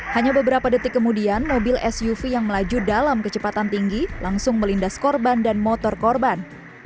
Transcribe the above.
hanya beberapa detik kemudian mobil suv yang melaju dalam kecepatan tinggi langsung melindas korban dan motor korban